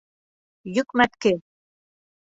ЙӨКМӘТКЕ